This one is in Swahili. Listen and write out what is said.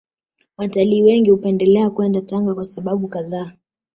Watalii wengi hupendelea kwenda Tanga kwa sababu kadhaa